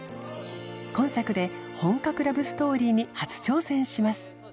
今作で本格ラブストーリーに初挑戦します